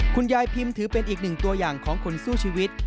คุณยายพิมพ์ถือเป็นอีกหนึ่งตัวอย่างของคนสู้ชีวิต